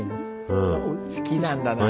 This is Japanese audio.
好きなんだな。